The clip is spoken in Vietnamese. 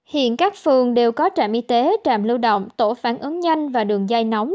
hiện các phường đều có trạm y tế trạm lưu động tổ phản ứng nhanh và đường dây nóng